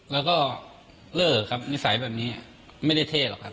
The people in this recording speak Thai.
แล้วก็เลิกครับนิสัยแบบนี้ไม่ได้เท่หรอกครับ